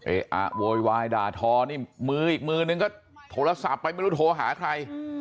อะโวยวายด่าทอนี่มืออีกมือนึงก็โทรศัพท์ไปไม่รู้โทรหาใคร